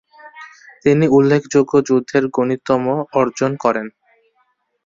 তিনি উল্লেখযোগ্য যুদ্ধের গণিমত অর্জন করেন।